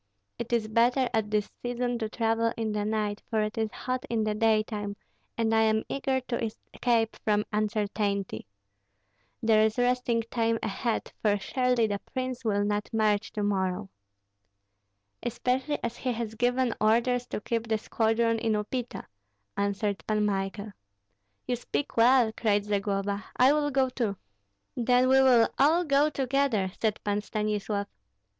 It is better at this season to travel in the night, for it is hot in the daytime, and I am eager to escape from uncertainty. There is resting time ahead, for surely the prince will not march to morrow." "Especially as he has given orders to keep the squadron in Upita," answered Pan Michael. "You speak well!" cried Zagloba; "I will go too." "Then we will all go together," said Pan Stanislav.